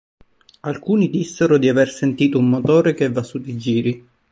Alcuni dissero di aver sentito un motore che "va su di giri".